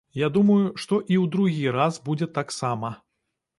Я думаю, што і ў другі раз будзе так сама.